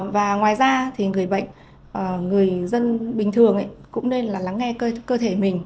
và ngoài ra người bệnh người dân bình thường cũng nên là lắng nghe